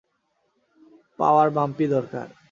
পাওয়ার বাম্পই দরকার।